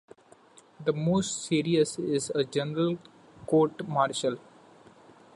The most serious is a "general court-martial".